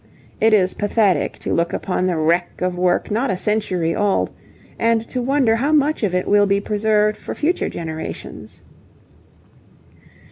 It is pathetic to look upon the wreck of work not a century old and to wonder how much of it will be preserved for future generations.